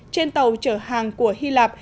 trên tàu chở hàng của hy lạp